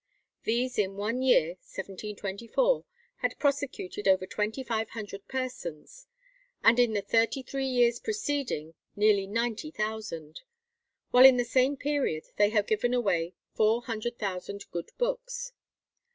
These in one year, 1724, had prosecuted over twenty five hundred persons, and in the thirty three years preceding nearly ninety thousand; while in the same period they had given away four hundred thousand good books.